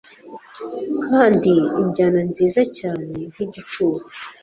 Kandi injyana nziza cyane nkigicucu